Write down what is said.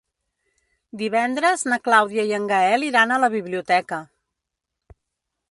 Divendres na Clàudia i en Gaël iran a la biblioteca.